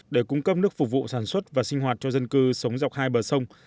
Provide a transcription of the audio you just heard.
để cung cấp nước phục vụ sản xuất và sinh hoạt cho dân cư sống dọc hai bờ sông